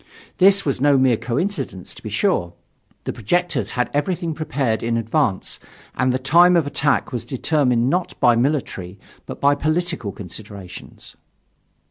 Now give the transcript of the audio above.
This was no mere coincidence, to be sure. The projectors had everything prepared in advance, and the time of attack was determined not by military but by political considerations.